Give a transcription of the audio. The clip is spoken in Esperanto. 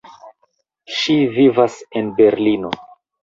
Ŝi vivas en Berlino.